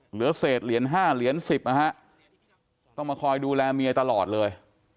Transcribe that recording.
เหลือเศษเหรียญ๕เหรียญ๑๐นะฮะต้องมาคอยดูแลเมียตลอดเลย